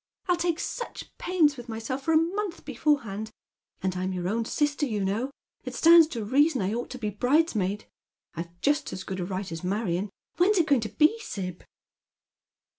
I'll take such pains with myself for a month before hand, and I'm your own sister, you know. It stands to reason I ought to be bridesmaid ; I've just as good a right aa Marion. ^Vhen is it going to be, Sib